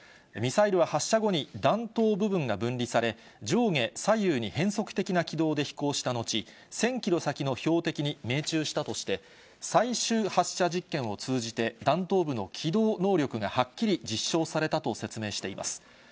ミサイルは発射後に弾頭部分が分離され、上下左右に変則的な軌道で飛行した後、１０００キロ先の標的に命中したとして、最終発射実験を通じて、弾頭部の機動能力がはっきり実証されたと説明しています。